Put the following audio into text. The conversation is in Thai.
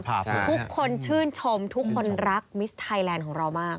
ทุกคนชื่นชมทุกคนรักมิสไทยแลนด์ของเรามาก